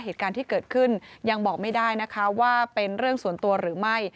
เหตุการณ์ที่เกิดขึ้นยังบอกไม่ได้นะคะว่าเป็นเรื่องส่วนตัวหรือไม่